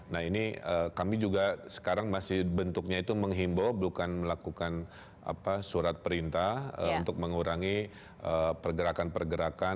nah ini kami juga sekarang masih bentuknya itu menghimbau bukan melakukan surat perintah untuk mengurangi pergerakan pergerakan